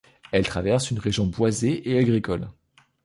Elle traverse une région boisée et agricole.